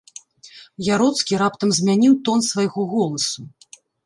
Яроцкі раптам змяніў тон свайго голасу.